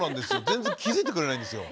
全然気付いてくれないんですよ。